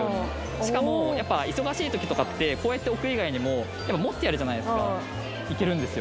しかもやっぱ忙しい時とかってこうやって置く以外にもやっぱ持ってやるじゃないっすかいけるんですよ